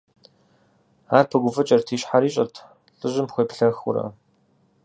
Ар пыгуфӀыкӀырт, и щхьэр ищӀырт, лӀыжьым хуеплъыхыурэ.